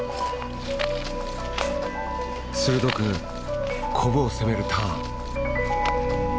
鋭くコブを攻めるターン。